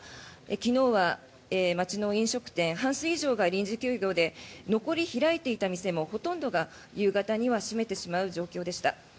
昨日は町の飲食店半数以上が臨時休業で残り開いていた店もほとんどが夕方には閉めてしまう状況でした。